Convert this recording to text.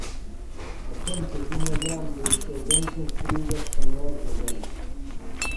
A xente tiña grandes e ben construídas canoas de vela.